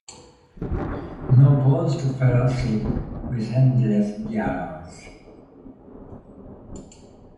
No pause to fall asleep with endless dialogues.